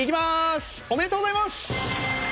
おめでとうございます！